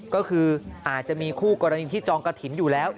ก็คืออาจจะมีคู่กรณีที่จองกระถิ่นอยู่แล้ว